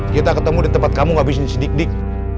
kita ketemu di tempat kamu ngabisin si dik dik